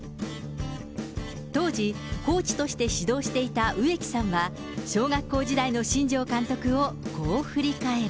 当時、コーチとして指導していた植木さんは、小学校時代の新庄監督をこう振り返る。